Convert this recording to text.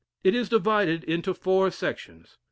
It is divided into four sections.